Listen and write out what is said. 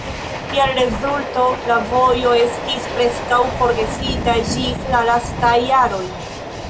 Kiel rezulto, la vojo estis preskaŭ forgesita ĝis la lastaj jaroj.